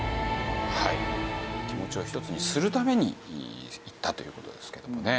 気持ちを一つにするために行ったという事ですけどもね。